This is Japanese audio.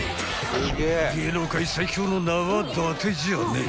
［芸能界最強の名はだてじゃねえ］